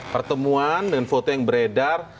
pertemuan dengan foto yang beredar